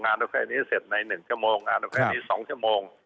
งานประเภทนี้จะเสร็จในหนึ่งชั่วโมงงานประเภทนี้๒ชั่วโมง